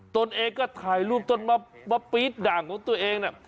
ตนเองก็ถ่ายรูปต้นมะปี๊ดด่างของตัวเอง